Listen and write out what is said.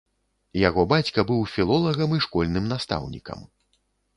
Яго бацька быў філолагам і школьным настаўнікам.